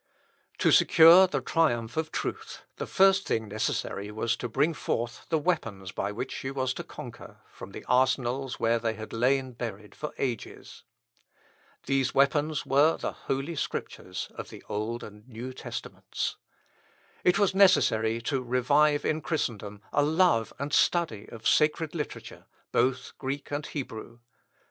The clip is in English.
To secure the triumph of truth, the first thing necessary was to bring forth the weapons by which she was to conquer, from the arsenals where they had lain buried for ages. These weapons were the holy Scriptures of the Old and New Testaments. It was necessary to revive in Christendom a love and study of sacred literature, both Greek and Hebrew.